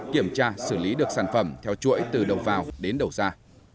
kiểm tra xử lý được sản phẩm theo chuỗi từ đầu vào đến đầu ra